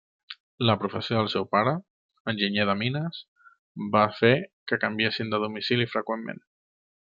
La professió del seu pare, enginyer de mines, va fer que canviessin de domicili freqüentment.